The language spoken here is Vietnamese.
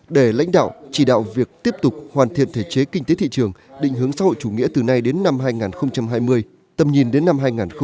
để lãnh đạo chỉ đạo việc tiếp tục hoàn thiện thể chế kinh tế thị trường định hướng xã hội chủ nghĩa từ nay đến năm hai nghìn hai mươi tầm nhìn đến năm hai nghìn ba mươi